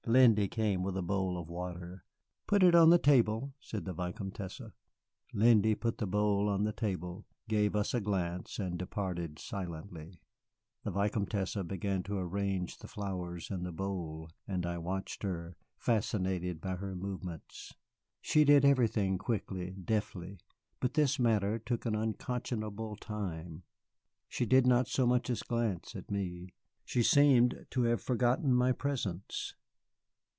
Lindy came with a bowl of water. "Put it on the table," said the Vicomtesse. Lindy put the bowl on the table, gave us a glance, and departed silently. The Vicomtesse began to arrange the flowers in the bowl, and I watched her, fascinated by her movements. She did everything quickly, deftly, but this matter took an unconscionable time. She did not so much as glance at me. She seemed to have forgotten my presence.